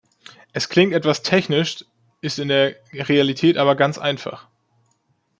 Es klingt etwas technisch, ist in der Realität aber ganz einfach.